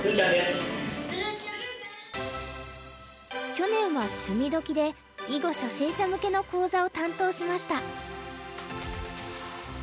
去年は「趣味どきっ！」で囲碁初心者向けの講座を担当しました。